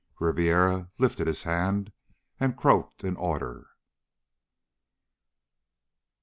Ribiera lifted his hand and croaked an order.